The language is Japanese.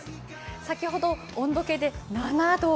先ほど温度計で７度。